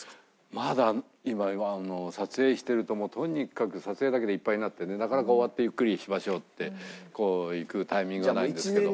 まだ今は撮影してるととにかく撮影だけでいっぱいになってねなかなか終わってゆっくりしましょうって行くタイミングがないんですけど。